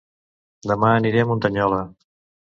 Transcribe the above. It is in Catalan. Dema aniré a Muntanyola